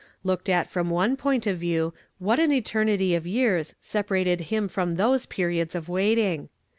T.ooked at from one point of view, what an eternity of years separated him from those periods of waiting!